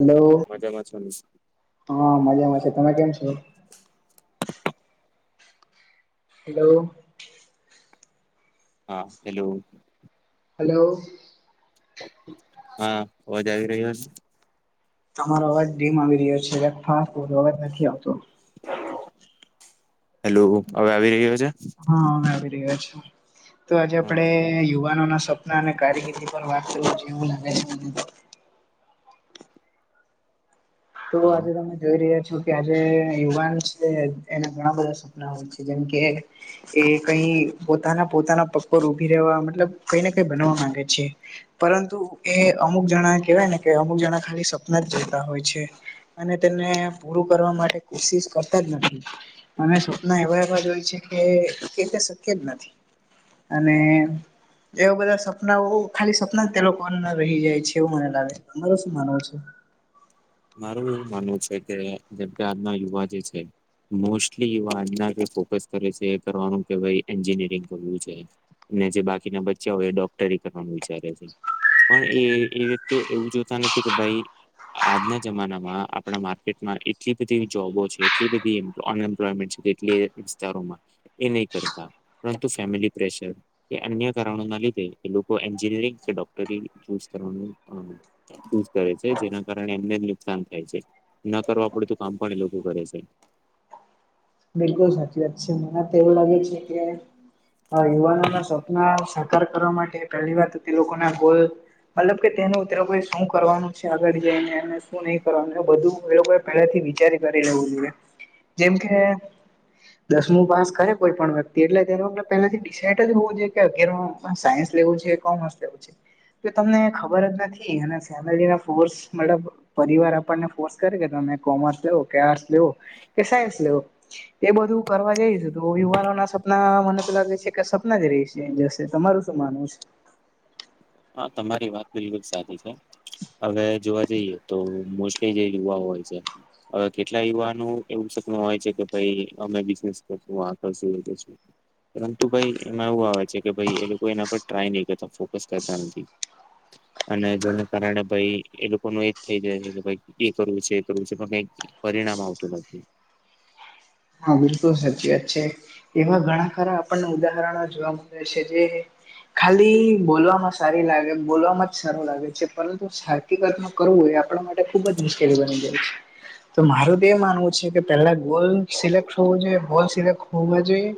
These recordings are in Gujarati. હલો મજામાં છો હા મજામાં છે તમે કેમ છો. હેલો. હા હેલો. હલો. હા અવાજ આવી રહ્યો છે. તમારો અવાજ ડીમ આવી રહ્યો છે જરાક ફાંસ બોલો અવાજ નથી આવતો. હેલો હવે આવી રહ્યો છે. હા હવે આવી રહ્યા છે તો આજે હા આપેડે યુવાનો ના સપના અને કારકિર્દી પર વાત કરવા જોઇએ એવું લાગે છે મને તો તો હા આજે તમે જોઈ રહ્યા છો કે આજે યુવાન છે એના ઘણા બધા સપના હોય છે જેમ કે એ કઈ પોતાના પોતાના પગ પર ઉભી રહેવા મતલબ કઈ ને કઈ બનવા માંગે છે. પરંતુ એ અમુક જણા કેહેવાય ને કે અમુક જણા ખાલી સપના જ જોતા હોય છે. અને તેને પૂરું કરવા માટે કોશિશ કરતા જ નથી. અમે સપના એવા એવા જોય છે કે તે શક્ય જ નથી. અને એવા બધા સપનાઓ ખાલી સપના તે લોકોના રહી જાય છે એવું મને લાગે તમારુ શું માનવું છે. મારું એવું માનવું છે કે જેમકે આજના યુવા જે છે. મોસ્ટલી એવા આજના કે ફોકસ કરે છે કરવાનું કે ભાઈ એન્જિનિયરિંગ કરવું છે. ને જે બાકીના બચ્યા હોય એ ડોક્ટરી કરવાનું વિચારે છે. પણ એ એ વ્યક્તિઓ એવું જોતા નથી કે ભાઈ આજના જમાનામાં આપણા માર્કેટમાં એટલી બધી જોબો છે એટલી બધી અનએમ્પ્લોયમેન્ટ છે કેટલી વિારો એ નહી કરતા પરંતુ ફેમિલી પ્રેશર એ અન્ય કારણો ના લીધે એ લોકો એન્જિનયરિંગ કે ડોક્ટરી ચૂ કરવાનું યુઝ કરે છે જેના કારણે એમને નુકસાન થાય છે ન કરવા પડે તો કામ પણ એ લોકો કરે છે. બિલકુલ સાચી વાત છે મને તો એવું લાગે છે કે યુવાનો ના સ્વપ્ના કરવા માટે પહેલી વાર તો તે લોકો ના ભોલ મતલબ કે તેનું તે લોકોઈ શું કરવાનું છે આગળ જઈને અને શું નહીં કરવાનું બધું એ લોકો. પેલાથી વિચારી કરી લેવું જોઈએ જેમ કે દસમું પાસ કરે કોઈ પણ વ્યક્તિ એટલે તે વગ પેલાથી ડિસાાઈડ જ હોવું જોઈએ કે અગિાર સાયન્સ લેવું જોઈએ. તમને ખબર જ નથી ફેમલી મા ફોસ મતલબ પરિવાર આપણને ફોર્સ કરે કે તમે કોમર્સ લેવો કે આર્ટસ લેવો કે સાયન્સ લેવો એ બધું કરવા જઈશું તો યુવાનો ના સપના મને પેલા છે કે સપના જ રહીશ. જશે તમારું શું માનવું છે. હા તમારી વાત બિલકુલ સાચી છે હવે જોવા જઈએ તો મોસ્ટલી જે યુવા હોય છે. હવે કેટલા યુવાનું એવું સપનુ હોય છે કે અમે બી આ કરશુમે બનેશું પરંતુ ભાઈ એમાં એવું આવે છે કે ભાઈ એ લોકો એના પર ટ્રાય નહી કરતા ફોકસ કરતા નથી. અને જેને કારણે ભાઈ એ લોકોનું એજ થઈ જાય છે કે ભ એ કરવું છે એ કરવું છે પણ કઈક પરિણામ આવતું નથી. હા બિલકુલ સાચી વાત છે એવા ઘણા ખરા આપણને ઉદાહરણો જોવા મળે છે જે ખાલી બોલવામાં સારી લાગે બોલવામાં જ સારું લાગે છે પરંતુ હકીકત મા કરવું એ આપણા માટે ખુબ જ મુશ્કેલી બની જાય છે. તો મારું તો એ માનવું છે કે પેલા ગોલ સિલેક્ટ હોવું જોઈએ ગોલ સિલેક્ટ હો જોઈએ.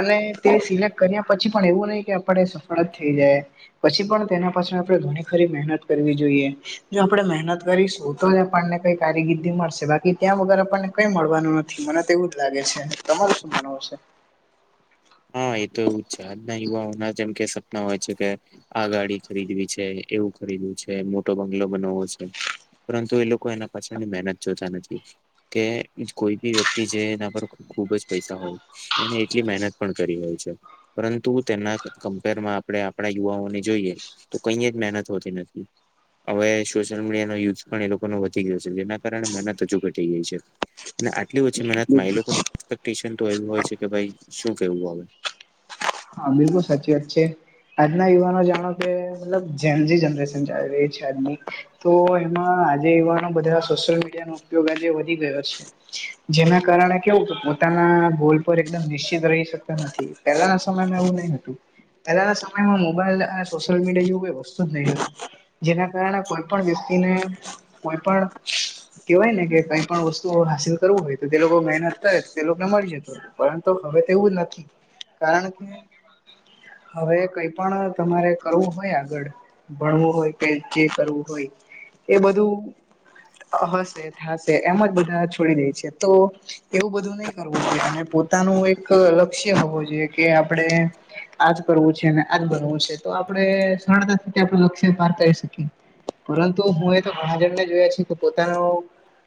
અને તે સિલેક્ટ કર્યા પછી પણ એવું નહી કે આપડે સફળ જ થઈ જાય. પછી પણ તેના પાછળ આપણે ઘણી ખરી મહેનત કરવી જોઈએ. જો આપણે મહેનત કરીશું તો જ આપણને કઈ કારગિર્દી મળશે બાકી ત્યાં વગર આપણને કઈ મળવાનું નથી મને તેવું જ લાગે છે તમારે શું માનવું છે. હા એ તો એવું જ છે આજના યુવાઓના જેમ કે સપના હોય છે કે આ ગાડી ખરીદવી છે એવું ખરીદવું છે મોટો બંગલો બનાવો છે. પરંતુ એ લોકો એના પછાડી મહેનત જોતા નથી. કે કોઈ બી વ્યક્તિ છે એના પર ખુબ જ પૈસા હોય અને જે મહેનત પણ કરી હોય છે પરંતુ તેના કમ્પેરમાં આપણે આપણા યુવાઓને જોઈએ તો કઈ જ મહેનત હોતી નથી. હવે સોશિયલ મીડિયા નો યુઝ પણ એ લોકોનો વધી ગયો છે જેના કારણે મહેનત હજુ ઘટી ગઈ છે. અને આટલી ઓછી મહેનતમાં એ લોકો એક્સપેક્ટન તો એ હોય છે કે ભાઈ શું કેવું આવુ. હા બિલકુલ સાચી વાત છે. આજના યુવાનો જાણો કે મતલબ જૈનજી જનરેશન ચાલી રહી છે આજની. તો એમાં આજે યુવાનો બધા સોશિયલ મીડિયાનો ઉપયોગ આજે વધી ગયો છે. જેના કારણે કેવું પોતાના ગોલ પર એકદમ નિશ્ચિત રહી શકતા નથી પેલા સમયમાં એવું નહી હતું પહેલાના સમયમાં મોબાઈલ અને સોશિયલ મીડિયા જેવું કોઈ વસ્તુ જ નહી રહેતું. જેના કારણે કોઈ પણ વ્યક્તિને કોઈ પણ કેહેવાય ને કે કઈ પણ વસ્તુ હાસિલ કરવું હોય તો તે લોકો મહેનત થાય તો તે લોકોને મળી જતું [unintelligible] પરંતુ હવે તેવું જ નથી કારણ કે હવે કઈ પણ તમારે કરવું હોય આગળ ભણવું હોય કે જે કરવું હોય એ બધું હશે થશે એમ જ બધા છોડી દે છે તો એવું બધું નહી કરવું જોઈએ અને પોતાનું એક લક્ષ્ય હોવું જોઈએ કે આપણેે આજ કરવું છે અને આજ બનવું છે તો આપડે સરળતા [unintelligible] લક્ષ્ય પાર કરી શકીએ. પરંતુ હું એ તો ઘણા જણને જોયા છ કે પોતાનો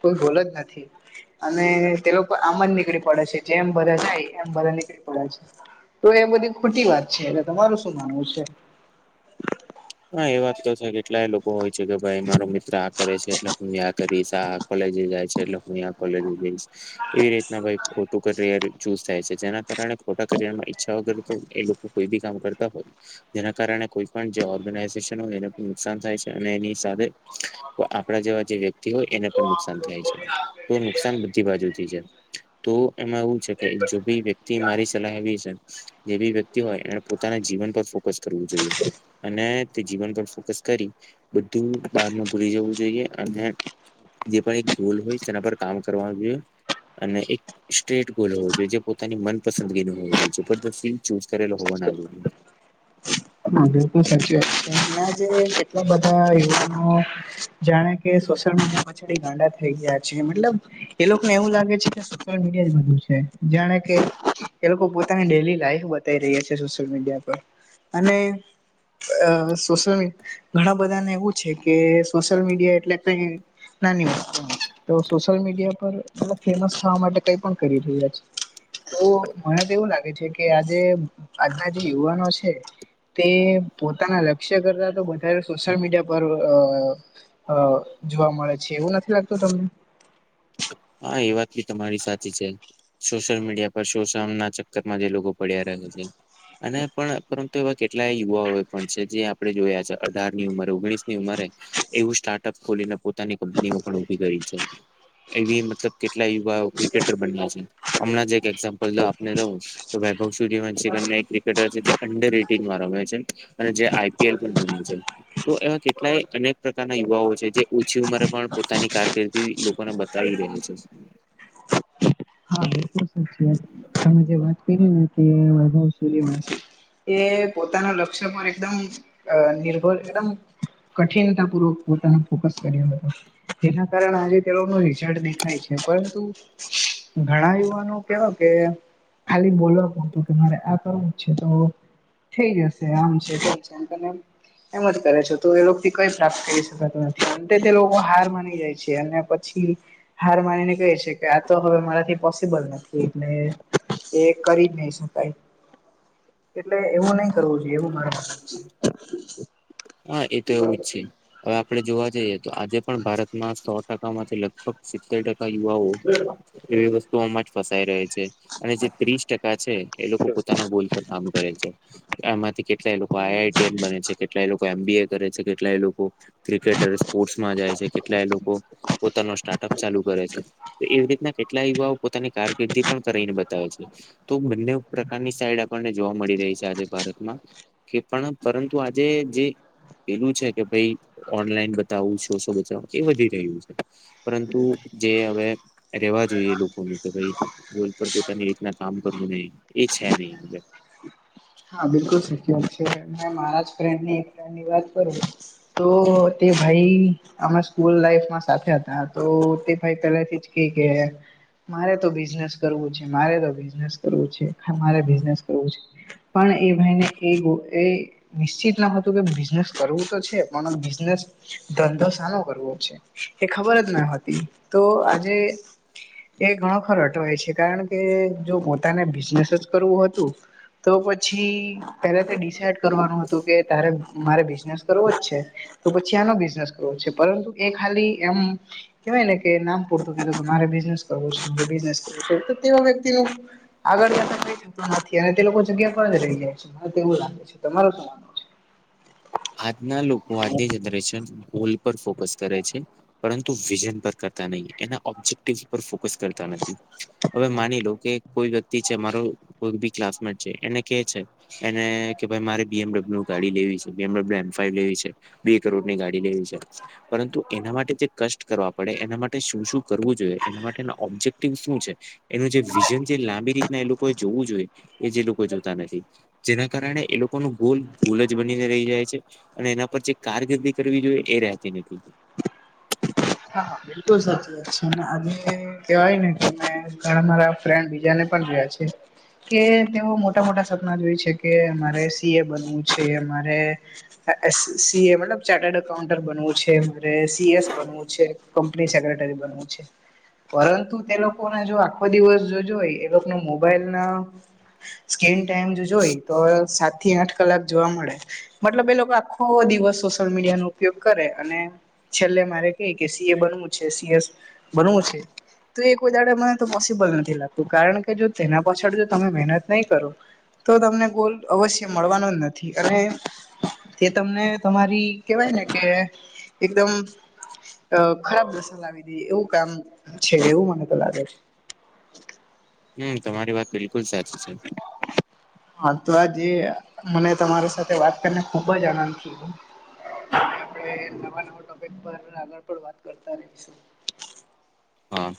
કોઈ ગોલ જ નથી. અને તે લોકો આમ જ નીકળી પડે છે જેમ [unintelligible] જાય એમ બધા નીકળી પડે છે. તો એ બધી ખોટી વાત છે એટલે તમારું શું માનવું છે. હા એ વાત તો છે કેટલાય લોકો હોય છે કે ભાઈ મારો મિત્ર આ કરે છે એટલે હું [unintelligible] કરીશ આ કોલેજ જાય છે એટલે હું આ કોલેજ જઈશ એવી રીતના ભાઈ ખોટું [unintelligible] ચૂઝ થાય છે જેના કારણે ખોટા કરિયરમાં ઈચ્છા વગર તો એ લોકો કોઈ બી કામ કરતા હોય જેના કારણે કોઈ પણ ઓર્ગનાઈઝેશન હોય એને નુકસાન થાય છે અને એની સાથે આપણા જેવા જે વ્યક્તિ હોય એને પણ નુકસાન થાય છે તો નુકસાન બધી બાજુથી છે. તો એમાં એવું છે કે જો ભી વ્યક્તિ મારી સલાહ એ છે. જે બી વ્યક્તિ હોય એને પોતાના જીવન પર ફોકસ કરવું જોઈએ. અને તે જીવન પર ફોકસ કરી બધું બાર ભૂલી જવું જોઈએ અને જે પણ એક ગોલ હોય તેના પર કામ કરવાનું જો અને એક સ્ટ્રેટ ગોલ હોવો જોઈએ જે પોતાની મનપસંદગી નું હોવ જોએ જબરસ્તી ચૂઝ કરેલો હોવા ના જોઈએ. હા બિલકુલ સાચી વાત ને જે એટલા બધા યુવાનો જાણે કે સોશિયલ મીડિયામાં ગાડા થઈ ગયા છે મતલબ એ લોકોને એવું લાગે છે કે સોશયલ મીડિયા જ બધુ છે જાણે કે એ લોકો પોતાની ડેઇલી લાઈફ વા થઈ રહીયા છે સોશિયલ મીડિયા પર. અને અ સોશિયલ ઘણા બધાને એવું છે કે સોશિયલ મીડિયા એટલે કઈ નાની વાત તો સોશિયલ મીડિયા પર ફેમસ થવા માટે કઈ પણ કરી રહ્યા છે. તો મને તો એવું લાગે છે કે આજે આજના જે યુવાનો છે. તે પોતાના લક્ષ્ય કરતા તો વધારે સોશિયલ મીડિયા પર આ અ જોવા મળે છે એવું નથી લાગતું તમને હા એ વાત બી તમારી સાચી છે. સોશિયલ મીડિયા પર શો શન ના ચક્કર માં જે લોકો પડ્યા રહ છે. અને પણ પરંતુ એવા કેટલાય યુવાઓ પણ છે જે આપણે જોયા છે અઢાર ની ઉંમરે ઓગણીસ ની ઉંમરે એવું સ્ટાર્ટઅપ ખોલીને પોતાની કંપનીમાં પણ ઉભી કરી છે. એવી મતલબ કેટલા યુવાઓ ક્રિકેટર બન્યા છે હમણાં એક એક્ઝામ્પલ આપને દઉ તો વૈભવ સુયૅ વંશિ ને એક ક્રિકેટર છે જે અંડર એટીન વાળો હોય છે. અને જે આઈપીએલ તો એવા કેટલાય અનેક પ્રકાર યુવાઓ છે જે ઓછી ઉંમરે પણ પોતાની કારકિર્દી લોકોને બ બતાવી રહે છે. હા સાચી વાત તમે જે વાત કરી ને કે વૈભવ સૂર્યવંશી એ પોતાના લક્ષ્ય પર એકદમ અ નિર્ભર એકદમ કઠિનતા પૂર્વક પોતાનો ફોકસ કર્યો હતો. જેના કારણે આજે તેઓનું રિઝલ્ટ દેખાય છે પરંતુ ઘણા યુવાનો કેવું કે ખાલી બોલવા હતું કે મારે આ કરવું છે તો થઈ જશે આમ છે તેમ છે એમ ત એમજ કરે છે તો એ લોકો થી કઈ સ્ટેટ કરી શકાતું નથી. તે લોકો હાર માની જાય છે અને પછી હાર માનીને છે કે આ તો હવે મારાથી પોસિબલ નથી એટલે એ કરી જ નહી શકાય. એટલે એવું નહી કરવું જોઈએ એવું મારુ માનવુ છે હા એ તો એવું જ છે. હવે આપે જોવા જઈએ તો આજે પણ ભારતમાં સો ટકા માંથી લગભગ સિત્તેર ટકા યુવાઓ એવી વસ્તુમાં જ ફસાઈ રહે છે અને જે ત્રીસ ટકા છે એ લોકો પોતાના ગોલ કામ કરે છે એમાંથી કેટલાય લોકો આઆઈટીન બને છે કેટલાય લોકો કોએ એમ બી એ કરે છે કેટલાય લોકો ક્રિકેટર સ્પોર્ટ્સમાં જાય છે કેટલાય લોકો પોતાનો સ્ટાર્ટઅપ ચાલુ કરે છે તો એવી રીતના કેટલા યુવાઓ પોતાની કારકિર્દી પણ કરીને બતાવે છે. તો બંને પ્રકારની સાઈડ આપણને જોવા મળી રહી છે આજે ભારતમાં કે પણ પરંતુ આજે જે. પેલું છે કે ભાઈ ઓનલાઈન બતાવું શો શો બચાઉ એ વધી રહ્યું છે. પરંતુ જે હવે. રેવા જોઈએ લોકોનું કે ભાઈ રોજ પણ પોતાની રીતના કામ કરવું રે એ છે નહી. હા બિલકુલ સત્ય વાત છે કે મારા જ ફેન્ડ ની વાત પર તો તે ભાઈ. અમે સ્કૂલ લાઈફમાં સાથે હતા તો તે ભાઈ પહેલા થી જ કે કે મારે તો બિઝનેસ કરવું છે મારે તો બિઝનેસ કરવું છે મારે બિઝનેસ કરવું છે. પણ એ ભાઈ ને એ એ. નિશ્ચિત ન હતું કે બિઝનેસ કરવું તો છે પણ બિઝનેસ ધંધો સાનો કરવો છે એ ખબર જ ના હતી તો આજે એ ઘણો ખરટ હોય છે કારણ કે જો પોતાને બિઝનેસ જ કરવું હતું. તો પછી પહેલા તે ડિસાઈડ કરવાનું હતું કે તારે મારે બિઝનેસ કરવો જ છે. તો પછી આનો બિઝનેસ કરવો છે પરંતુ એ ખાલી એમ કેવાય ને કે નામ પૂરતું કે મારે બિજનેસ કરવું છે બિજનેસ કરવું તો તે વ્યક્તિનું આગળયાત્રા કઈ શક નથી અને તે લોકો જગ્યા પર જ રહી જાય છે મને તેવું લાગે છે તમાર શું છે આજના લોકો આજની જનરેશન સ્કુલ પર ફોકસ કરે છે પરંતુ વિઝન પર કરતા નહી એના ઓબ્જેક્ટિવ પર ફોક કશ કરતા નથી હવે માની લો કે કોઈ વ્યક્તિ તી છે મારો કોઈ બી ક્લાસમેટ છે એને કે છે છે ને કે ભાઈ મારે બી એમડબલ્યુ ગાડી લેવી છે. બમ ફાઈવ લેવી છે બે કરોડ ની ગાડી લેવી છે પરંતુ એના માટે જે કષ્ટ કરવા પડે એના માટે શું શું કરવું જોઈએ એના માટેના ઓબ્જેક્ટિવ શું છે એનું જે વિઝન જે લાંબી રીતના એ લોકોએ જોવું જોઈએ એ જે લોકો જોતા નથી જેના કારણે એ લોકો ન ગોલ ગોલ જ બ રહી જાય છે અને એના પર જે કારકિર્દી કરવી જોઈએ એ રહેતી નથી હા બિલકુલ સાચી અને કહેવાય ને કે મેં મારા ફ્રેન્ડ ને બી જોયા છે કે તેઓ મોટા મોટા સપના જોય છે કે મારે સી એ બનવું છે મારે સી એ મતલબ ચાર્ટડ અકાઉન્ટર બનવું છે મારે સીએસ બનવું છે કંપની સેક્રેટરી બનવું છે પરંતુ તે લોકોને જો આખો દિવસ જોજ હો એ લોકો મોબાઈલ ના સ્કીન ટાઈમ જો જોઈ તો સાત થી આઠ કલાક જોવા મળે મતલબ એ લોકો આખો દિવસ સોશિયલ મીડિયા નો ઉપયોગ કરે અને છેલ્લે મારે કે સી એ બનવું છે સીએસ બનવું છે તો એ કોઈ દાડે મને તો પોસિબલ નથી લાગતું કારણ કે જો તેના પાછળ જો તમે મહેનત નહીં કરો તો તમને ગોલ્ડ અવશ્ય મળવાનો જ નથી અને તે તમને તમારી કેવાય ને કે એકદમ અ ખરાબ નસા લાવી દે એવું કામ છે એવું મને તો લાગે છે હમ તમારી વાત બિલકુલ સાચી છે હા તો આજ મને તમારી સાથે વાત કરીને ખુબ જ આનંદ છ [inaudible] હ નવા નવા ટોપિક પર આગળ પણ વાત કરતા રહીશું હા